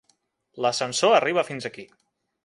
L'ascensor arriba fins aquí.